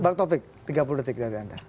bang taufik tiga puluh detik dari anda